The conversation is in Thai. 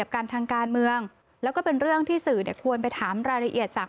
กันทางการเมืองแล้วก็เป็นเรื่องที่สื่อเนี่ยควรไปถามรายละเอียดจาก